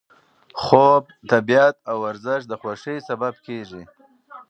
خوب، طبیعت او ورزش د خوښۍ سبب کېږي.